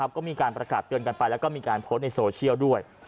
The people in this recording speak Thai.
ก็มีการประกาศเตือนกันไปแล้วก็มีการโพสต์ในโซเชียลด้วย